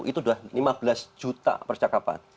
itu sudah lima belas juta percakapan